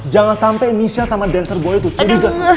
jangan sampe misha sama dancer gue itu curiga